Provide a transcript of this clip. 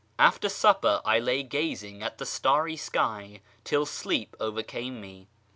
After supper I lay gazing at the starry sky till sleep over came me.